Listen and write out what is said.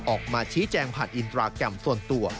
ออกมาชี้แจงผ่านอินสตราแกรมส่วนตัว